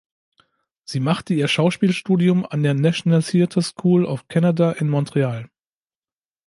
Sie machte ihr Schauspielstudium an der National Theatre School of Canada in Montreal.